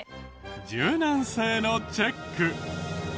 柔軟性のチェック。